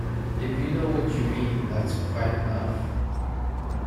If you know what you mean, that's quite enough.